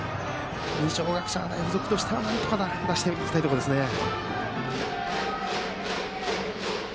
二松学舎大付属としてはなんとか出していきたいところですね。